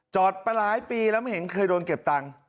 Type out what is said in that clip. ไปหลายปีแล้วไม่เห็นเคยโดนเก็บตังค์